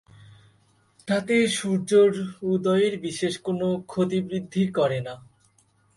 তাতে সূর্যের উদয়ের বিশেষ কোনো ক্ষতিবৃদ্ধি করে না।